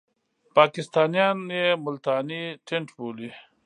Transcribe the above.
پاکستانیان یې ملتانی ټېنټ بولي.